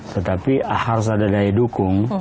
tetapi harus ada daya dukung